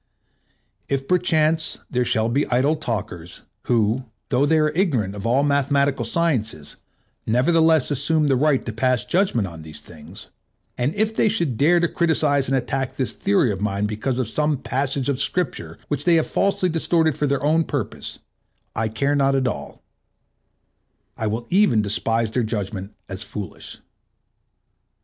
If perchance there shall be idle talkers, who, though they are ignorant of all mathematical sciences, nevertheless assume the right to pass judgment on these things, and if they should dare to criticise and attack this theory of mine because of some passage of Scripture which they have falsely distorted for their own purpose, I care not at all; I will even despise their judgment as foolish.